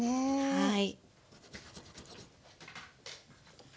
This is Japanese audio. はい。